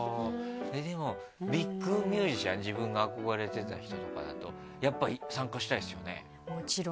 でもビッグミュージシャン自分が憧れてた人とかだとやっぱ参加したいっすよね？